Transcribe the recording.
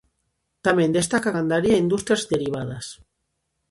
Tamén destaca a gandaría e industrias derivadas.